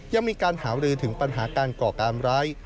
ยังมีการหารือถึงปัญหาการก่อการร้าย